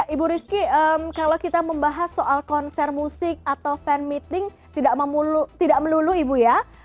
ibu rizky kalau kita membahas soal konser musik atau fan meeting tidak melulu ibu ya